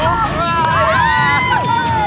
โอ้ย